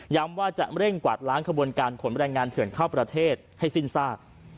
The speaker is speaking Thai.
ว่าจะเร่งกวาดล้างขบวนการขนแรงงานเถื่อนเข้าประเทศให้สิ้นซาก